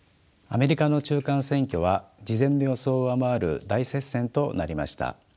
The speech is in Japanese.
アメリカの中間選挙は事前の予想を上回る大接戦となりました。